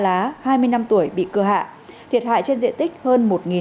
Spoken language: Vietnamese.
cây thông ba mươi năm tuổi bị cơ hạ thiệt hại trên diện tích hơn một bốn trăm linh m hai